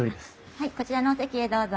はいこちらのお席へどうぞ。